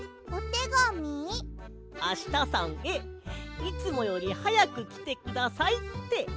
「あしたさんへいつもよりはやくきてください」って。